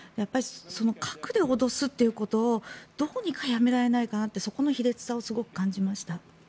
核で脅すということをどうにかやめられないかなってそこの卑劣さをすごく感じました。